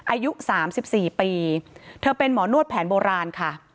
อายุ๓๔ปีเธอเป็นหมอนวดแผนโบราณค่ะ